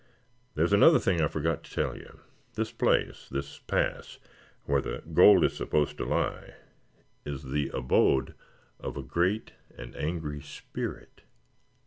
There's another thing I forgot to tell you. This place, this pass where the gold is supposed to lie, is the abode of a great and angry spirit."